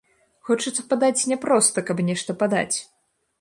Хочацца падаць не проста, каб нешта падаць.